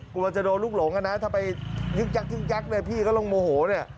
กลัวว่าจะโดนลูกหลงกันนะถ้าไปยึกยักในพี่ก็ลงโมโห